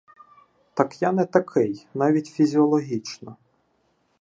Так я не такий навіть фізіологічно.